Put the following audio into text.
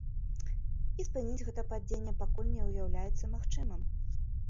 І спыніць гэта падзенне пакуль не ўяўляецца магчымым.